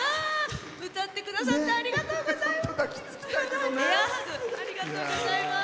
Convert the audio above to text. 歌ってくださってありがとうございます！